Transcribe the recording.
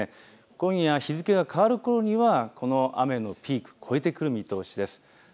今夜日付が変わるころにはこの雨のピーク、こえてくる見通しです。